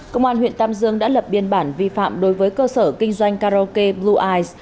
công an huyện tam dương đã lập biên bản vi phạm đối với cơ sở kinh doanh karaoke blue